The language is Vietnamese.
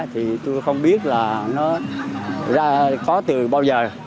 thì tôi không biết là nó có từ bao giờ